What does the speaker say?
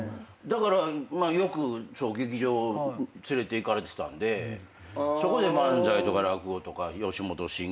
だからよく劇場連れていかれてたんでそこで漫才とか落語とか吉本新喜劇を生で見て。